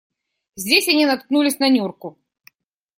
Здесь они наткнулись на Нюрку.